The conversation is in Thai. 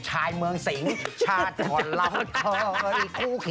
ไปเถอะไปเถอะ